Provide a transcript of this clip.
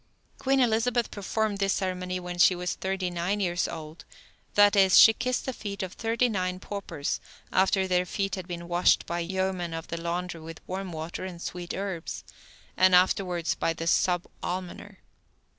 Queen Elizabeth performed this ceremony when she was thirty nine years old— that is, she kissed the feet of thirty nine paupers after their feet had been washed by yeomen of the laundry with warm water and sweet herbs, and afterward by the sub almoner.